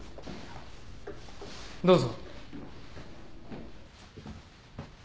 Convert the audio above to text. どうぞ。